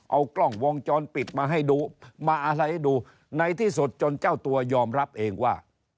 เอากล้องวงจรปิดมาให้ดูมาอะไรให้ดูในที่สุดจนเจ้าตัวยอมรับเองว่า